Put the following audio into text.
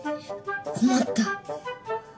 困った。